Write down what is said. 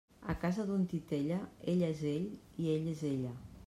A casa d'un titella, ella és ell i ell és ella.